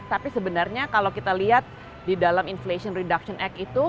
tapi sebenarnya kalau kita lihat di dalam inflation reduction act itu